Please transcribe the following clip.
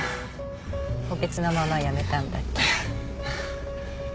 補欠のまま辞めたんだっけ。